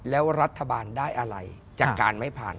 แล้วรัฐบาลได้อะไรจากการไม่ผ่าน